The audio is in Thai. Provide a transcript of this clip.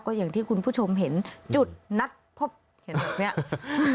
อย่างที่คุณผู้ชมเห็นจุดนัดพบเห็นแบบนี้